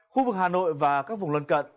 khu vực hà nội và các vùng lân cận